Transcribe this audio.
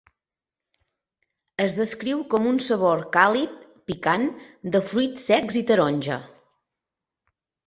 Es descriu com un sabor càlid, picant, de fruits secs i taronja.